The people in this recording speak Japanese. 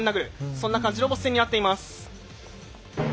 そんな感じのボス戦になっています。